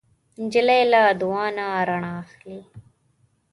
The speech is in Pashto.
نجلۍ له دعا نه رڼا اخلي.